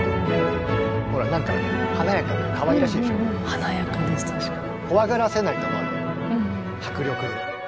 華やかです確かに。